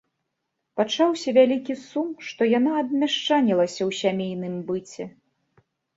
Пачаўся вялікі сум, што яна абмяшчанілася ў сямейным быце.